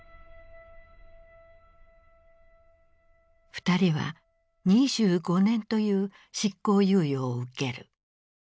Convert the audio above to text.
二人は２５年という執行猶予を受ける。